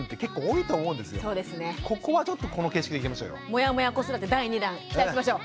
モヤモヤ子育て第２弾期待しましょう。